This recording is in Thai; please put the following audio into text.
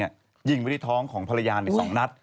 ยิงไว้ท้องของภรรยาอีก๒นัด